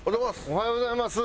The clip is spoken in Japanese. おはようございます。